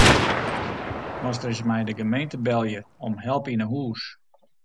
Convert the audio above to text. Moast ris mei de gemeente belje om help yn 'e hûs.